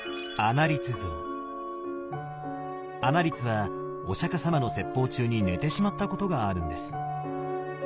阿那律はお釈様の説法中に寝てしまったことがあるんです。